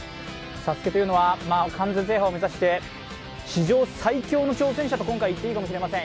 「ＳＡＳＵＫＥ」というのは完全制覇を目指して史上最強の挑戦者と今回言っていいかもしれません。